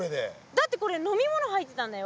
だってこれ飲み物入ってたんだよ。